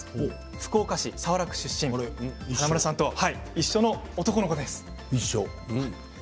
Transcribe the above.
福岡市早良区出身華丸さんと同じ出身の男の子です。